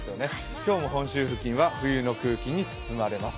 今日も本州付近は冬の空気に包まれます。